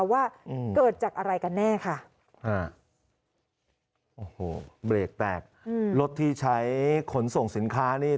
ว่าเกิดจากอะไรกันแน่ค่ะฮะโอ้โหเบรกแตกอืมรถที่ใช้ขนส่งสินค้านี่